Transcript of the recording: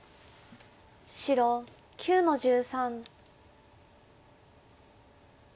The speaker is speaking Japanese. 白９の十三。